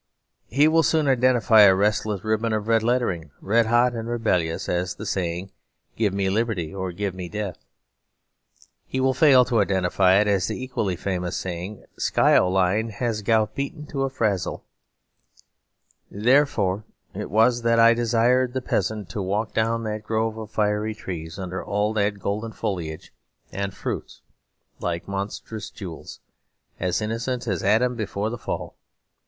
He will soon identify a restless ribbon of red lettering, red hot and rebellious, as the saying, 'Give me liberty or give me death.' He will fail to identify it as the equally famous saying, 'Skyoline Has Gout Beaten to a Frazzle.' Therefore it was that I desired the peasant to walk down that grove of fiery trees, under all that golden foliage, and fruits like monstrous jewels, as innocent as Adam before the Fall.